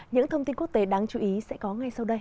những thông tin quốc tế đáng chú ý sẽ có ngay sau đây